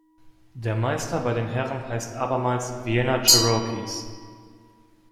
Der Meister bei den Herren heißt abermals Vienna Cherokees.